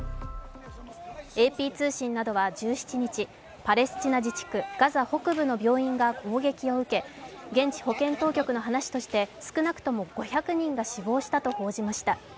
ＡＰ通信などは１７日、パレスチナ自治区ガザ北部の病院が攻撃を受け現地保健当局の話として少なくとも５００人が死亡したと報じました。